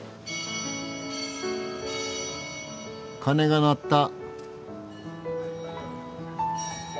鐘が鳴った。